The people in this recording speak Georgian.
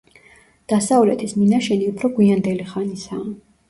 დასავლეთის მინაშენი უფრო გვიანდელი ხანისაა.